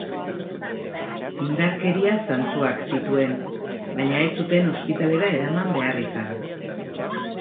Indarkeria zantzuak zituen, baina ez zuten ospitalera eraman behar izan.